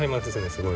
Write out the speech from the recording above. すごい。